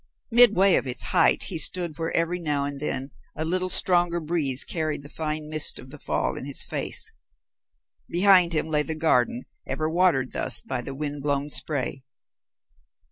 Midway of its height he stood where every now and then a little stronger breeze carried the fine mist of the fall in his face. Behind him lay the garden, ever watered thus by the wind blown spray.